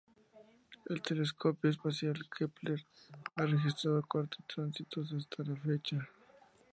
El telescopio espacial Kepler ha registrado cuatro tránsitos hasta la fecha.